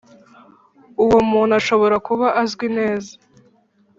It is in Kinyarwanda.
uwo muntu ashobora kuba azwi neza